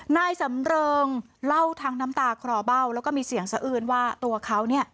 นายสำเริงเล่าทั้งน้ำตาคลอเบ้าแล้วก็มีเสียงสะอื้นว่าตัวเขาเนี่ย